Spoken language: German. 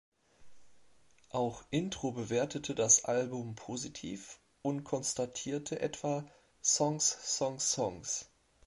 Auch Intro bewertete das Album positiv und konstatierte etwa "„Songs, Songs, Songs.